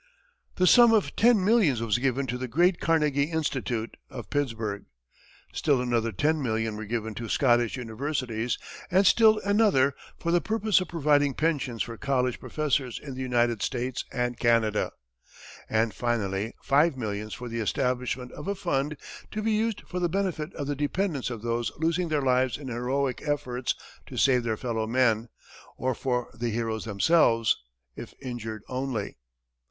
The sum of ten millions was given to the great Carnegie Institute, of Pittsburgh; still another ten millions were given to Scottish universities, and still another for the purpose of providing pensions for college professors in the United States and Canada; and finally five millions for the establishment of a fund to be used for the benefit of the dependants of those losing their lives in heroic effort to save their fellow men, or for the heroes themselves, if injured only.